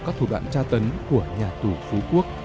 các thủ đoạn tra tấn của nhà tù phú quốc